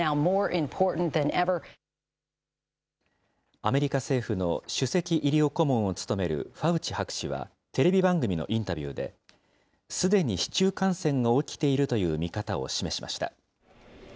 アメリカ政府の首席医療顧問を務めるファウチ博士は、テレビ番組のインタビューで、すでに市中感染が起きているという見方を示しました。